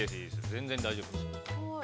全然大丈夫ですよ。